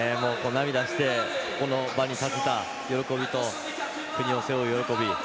涙して、この場に立てた喜びと国を背負う喜び。